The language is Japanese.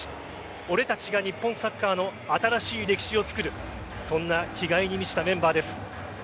俺たちが日本サッカーの新しい歴史を作るそんな気概に満ちたメンバーです。